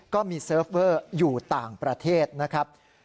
ก็มีเซิร์ฟเวอร์อยู่ต่างประเทศนะครับ